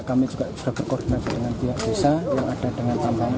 kami juga sudah berkoordinasi dengan pihak desa yang ada dengan tambahan